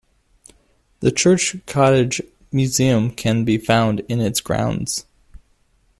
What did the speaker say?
The Church Cottage museum can be found in its grounds.